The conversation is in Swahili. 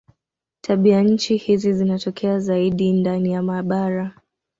Tabianchi hizi zinatokea zaidi ndani ya mabara.